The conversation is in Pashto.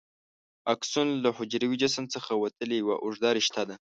اکسون له حجروي جسم څخه وتلې یوه اوږده رشته ده.